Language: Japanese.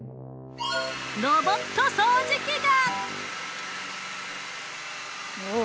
ロボット掃除機が。